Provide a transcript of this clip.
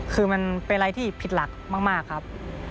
คือมันเป็นอะไรที่ผิดหลักมากครับ